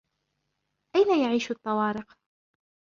أين يعيش الطوارق ؟